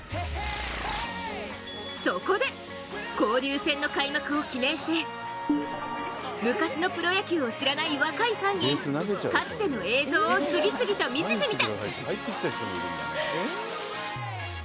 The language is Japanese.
そこで交流戦の開幕を記念して昔のプロ野球を知らない若いファンに、かつての映像を次々と見せてみた。